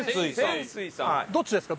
どっちですか？